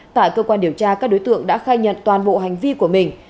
tại cơ quan điều tra các đối tượng đã khai nhận toàn bộ hành vi của mình